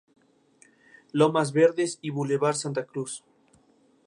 Lomas Verdes y Boulevard Santa Cruz.